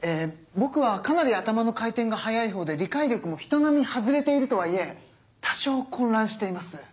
僕はかなり頭の回転が速いほうで理解力も人並み外れているとはいえ多少混乱しています。